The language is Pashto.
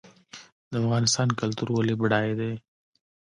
د افغانستان کلتور ولې بډای دی؟